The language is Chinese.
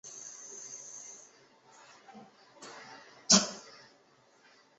波氏跳蛛为跳蛛科跳蛛属的动物。